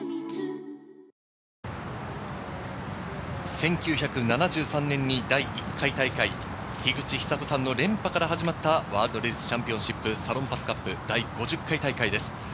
１９７３年に第１回大会、樋口久子さんの連覇から始まったワールドレディスチャンピオンシップサロンパスカップ、第５０回大会です。